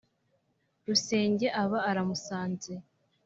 rusenge aba aramusanze